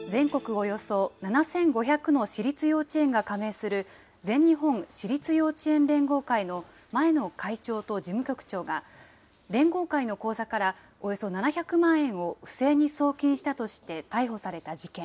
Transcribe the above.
およそ７５００の私立幼稚園が加盟する、全日本私立幼稚園連合会の前の会長と事務局長が、連合会の口座からおよそ７００万円を不正に送金したとして逮捕さ